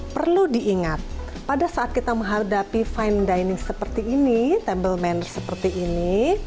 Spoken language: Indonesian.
perlu diingat pada saat kita menghadapi fine dining seperti ini table manner seperti ini